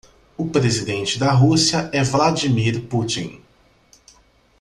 O presidente da Rússia é Vladimir Putin.